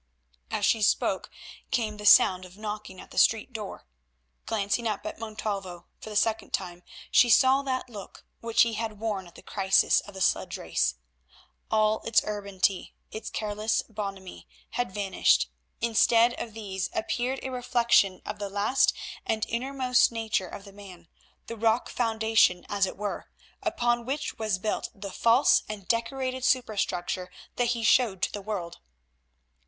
As she spoke came the sound of knocking at the street door. Glancing up at Montalvo, for the second time she saw that look which he had worn at the crisis of the sledge race. All its urbanity, its careless bonhomie, had vanished. Instead of these appeared a reflection of the last and innermost nature of the man, the rock foundation, as it were, upon which was built the false and decorated superstructure that he showed to the world.